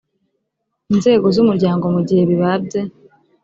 inzego z umuryango mu gihe bibabye